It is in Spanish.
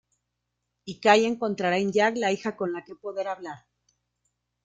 Y Kay encontrará en Jack la hija con la que poder hablar.